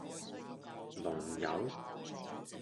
龍友